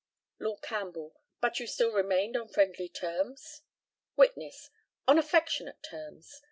Lord CAMPBELL: But you still remained on friendly terms? Witness: On affectionate terms.